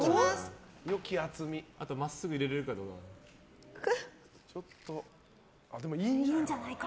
真っすぐ入れられるかどうか。